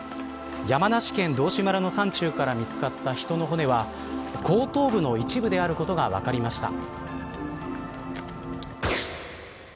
山梨県道志村の山中から見つかった人の骨は後頭部の一部であることが分かりました。